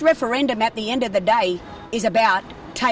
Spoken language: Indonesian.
referendum ini pada akhirnya adalah mengambil keputusan